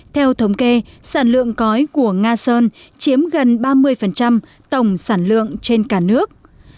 theo thống kê sản lượng cói của nga sơn chiếm gần ba mươi tổng sản lượng trên cả nước